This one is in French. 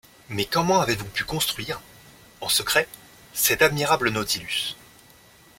Mais comment avez-vous pu construire, en secret, cet admirable Nautilus ?